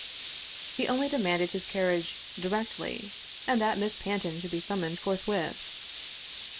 He only demanded his carriage " directly " and that Miss Panton should be summoned forthwith.